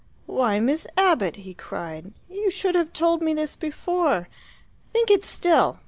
"Why, Miss Abbott," he cried, "you should have told me this before! Think it still!